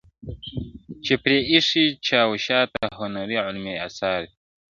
چي پرې ایښي چا و شاته هنري علمي آثار دي.